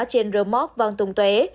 trên rơ móc vang tùng tuế